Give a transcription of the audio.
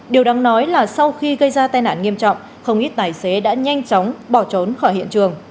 điều đáng nói là sau khi gây ra tai nạn nghiêm trọng không ít tài xế đã nhanh chóng bỏ trốn khỏi hiện trường